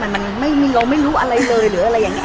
มันเราไม่รู้อะไรเลยหรืออะไรอย่างนี้